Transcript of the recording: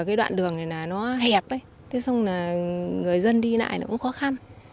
cái đoạn đường này là nó hẹp thế xong là người dân đi lại nó cũng khó khăn